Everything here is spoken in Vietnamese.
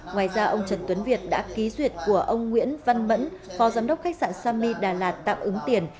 ngoài ra ông trần tuấn việt đã ký duyệt của ông nguyễn văn mẫn phò giám đốc khách sạn samy đà lạt tạm ứng tiền